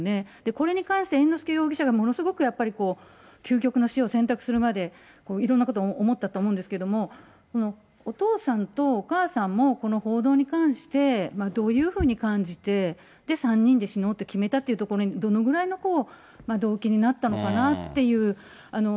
これに関して猿之助容疑者がものすごくやっぱりこう、究極の死を選択するまで、いろんなこと思ったと思うんですけれども、このお父さんとお母さんも、この報道に関して、どういうふうに感じて、３人で死のうと決めたっていうところに、どのぐらいの、動機になったのかなという。